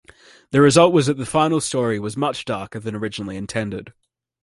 The result was that the final story was much darker than originally intended.